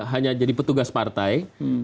hanya jadi petugas partai